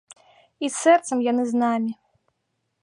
І сэрцам яны з намі.